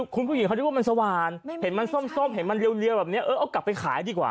คุณผู้หญิงเขานึกว่ามันสว่านเห็นมันส้มเห็นมันเรียวแบบนี้เออเอากลับไปขายดีกว่า